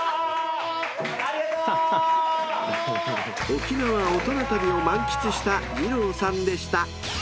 ［沖縄オトナ旅を満喫した二朗さんでした］